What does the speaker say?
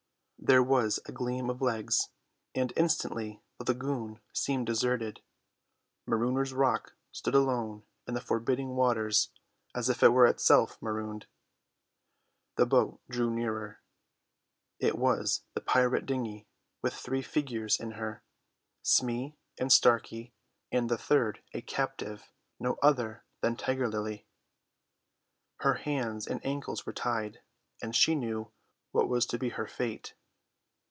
There was a gleam of legs, and instantly the lagoon seemed deserted. Marooners' Rock stood alone in the forbidding waters as if it were itself marooned. The boat drew nearer. It was the pirate dinghy, with three figures in her, Smee and Starkey, and the third a captive, no other than Tiger Lily. Her hands and ankles were tied, and she knew what was to be her fate.